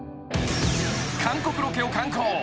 ［韓国ロケを敢行］